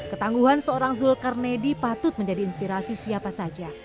ketangguhan seorang zul karnedi patut menjadi inspirasi siapa saja